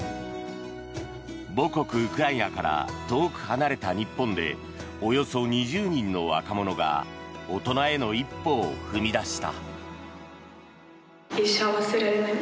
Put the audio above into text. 母国ウクライナから遠く離れた日本でおよそ２０人の若者が大人への一歩を踏み出した。